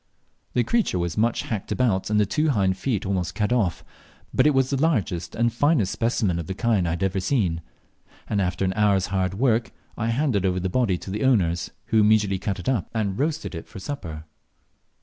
The creature was much hacked about, and the two hind feet almost cut off; but it was the largest and finest specimen of the kind I had seen; and after an hour's hard work I handed over the body to the owners, who immediately cut it up and roasted it for supper.